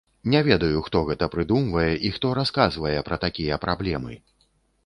Не ведаю, хто гэта прыдумвае і хто расказвае пра такія праблемы!